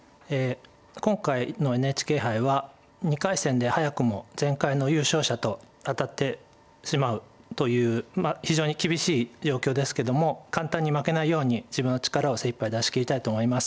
今回のＮＨＫ杯は２回戦で早くも前回の優勝者と当たってしまうという非常に厳しい状況ですけども簡単に負けないように自分の力を精いっぱい出しきりたいと思います。